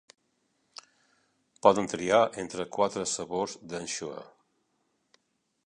Poden triar entre quatre sabors d'Ensure.